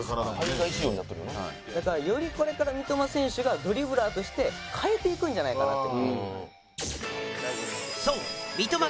だからよりこれから三笘選手がドリブラーとして変えていくんじゃないかなって。